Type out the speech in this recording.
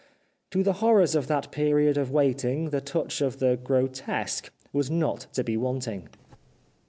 To the horrors of that period of waiting the touch of the grotesque was not to be wanting.